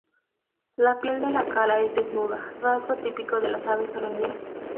La piel de la cara es desnuda, rasgo típico de las aves carroñeras.